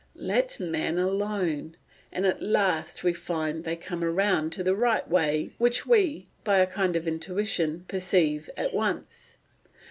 Let men alone, and at last we find they come round to the right way which we, by a kind of intuition, perceive at once.